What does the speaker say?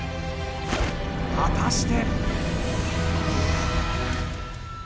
果たして。